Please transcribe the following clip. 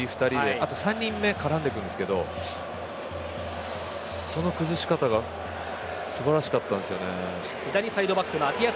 あと３人目絡んでいくんですけどその崩し方が素晴らしかったんですよね。